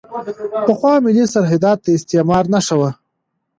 پخوا ملي سرحدات د استعمار نښه وو.